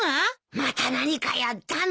また何かやったの？